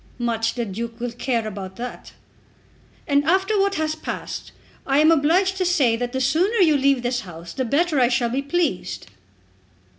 "Much the Duke will care about that." "And after what has passed I am obliged to say that the sooner you leave this house the better I shall be pleased."